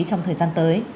trong thời gian tới